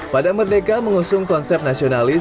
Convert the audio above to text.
padang merdeka mengusung konsep nasionalis